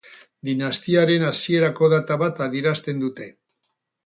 Dinastiaren hasierako data bat adierazten dute.